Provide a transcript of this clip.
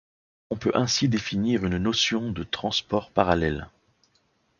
On peut ainsi définir une notion de transport parallèle.